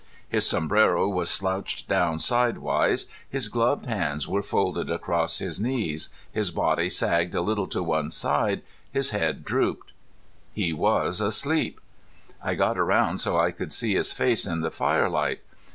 His sombrero was slouched down sidewise, his gloved hands were folded across his knees, his body sagged a little to one side, his head drooped. He was asleep. I got around so I could see his face in the firelight.